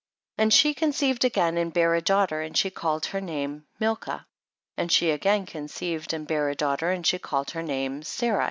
3. And she conceived again and bare a daughter, and she called her name Milca ; and she again conceived and bare a daughter, and she called her name Sarai.